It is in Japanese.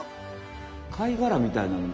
貝がらみたいなの。